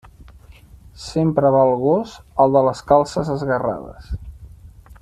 Sempre va el gos al de les calces esgarrades.